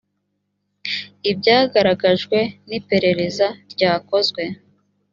ibyagaragajwe n iperereza ryakozwe